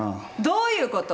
どういうこと！？